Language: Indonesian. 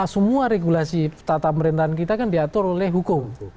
semua regulasi tata pemerintahan kita kan diatur oleh hukum